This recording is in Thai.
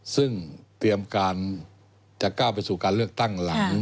ซึ่งเตรียมการจะก้าวไปสู่การเลือกตั้งหลัง